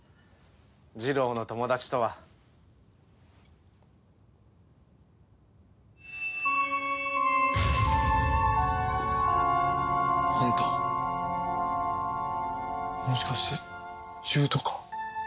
ジロウの友達とは。あんたもしかして獣人か？